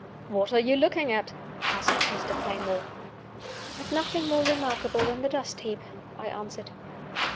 "What are you looking at?" asked Mr. Playmore. "At nothing more remarkable than the dust heap," I answered.